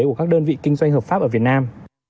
của các đơn vị kinh doanh hợp pháp ở việt nam